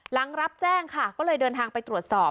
หลังรับแจ้งค่ะก็เลยเดินทางไปตรวจสอบ